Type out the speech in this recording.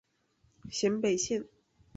咸北线